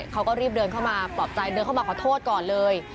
เขาก็รีบเดินเข้ามาปลอบใจเดินเข้ามาขอโทษก่อนเลย